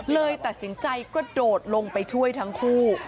เลยตัดสินใจกระโดดลงไปช่วยทั้งคู่